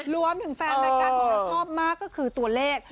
รวมถึงแฟนในการรู้ชอบมากก็คือตัวเลข